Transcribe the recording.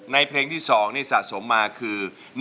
เพลงที่๒นี่สะสมมาคือ